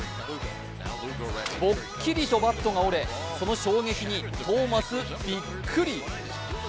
ボッキリとバットが折れその衝撃にトーマス、びっくり。